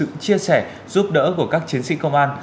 từ sự chia sẻ giúp đỡ của các chiến sĩ công an